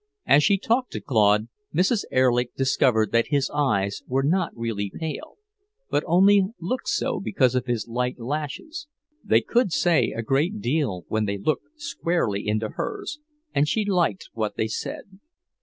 As she talked to Claude, Mrs. Erlich discovered that his eyes were not really pale, but only looked so because of his light lashes. They could say a great deal when they looked squarely into hers, and she liked what they said.